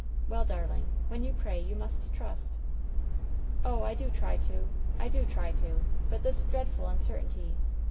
"Well, darling, when you pray, you must trust. "Oh, I do try to! I do try to! But this dreadful un certainty!